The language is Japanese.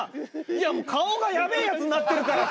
いやもう顔がやべえやつなってるから。